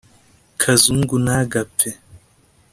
Kazungu nagapfe